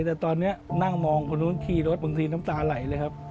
แต่ตอนนี้นั่งมองคนนู้นขี่รถบางทีน้ำตาไหลเลยครับ